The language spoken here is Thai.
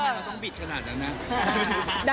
ทำไมน่าต้องบิดขนาดนั้น